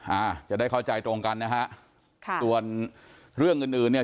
อ่าจะได้เข้าใจตรงกันนะฮะค่ะส่วนเรื่องอื่นอื่นเนี่ย